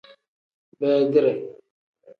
Beedire.